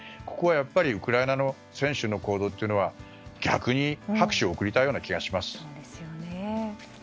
ここはやっぱりウクライナの選手の行動というのは、逆に拍手を送りたいような気がします。